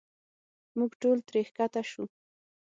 موږ ټول ترې ښکته شو.